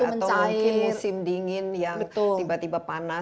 atau mungkin musim dingin yang tiba tiba panas